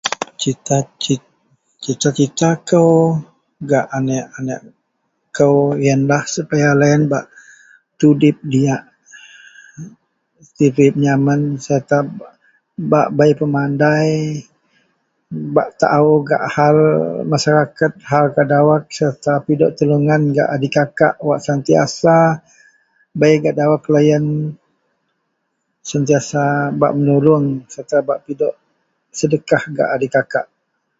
Cita-cita kou gak anek-anek kou iyenlah supaya loyen bak tudip diyak tudip nyaman serta bak bei pemadai, bak tao gak hal masyarakat hal gak dawok serta pidok pertolongan gak dikakak wak sentiasa bei gak dawok loyen, sentiasa bak menolong serta bak pidok sedekah gak a dikakak.